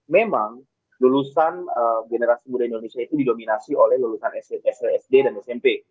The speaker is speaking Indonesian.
memang lulusan generasi muda indonesia itu didominasi oleh lulusan sd dan smp